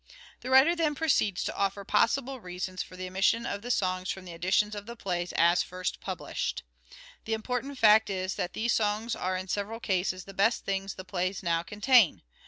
The writer then proceeds to offer possible reasons for the omission of the songs from the editions of the plays as first published. The important fact is that these songs are in several cases the best things the plays now contain.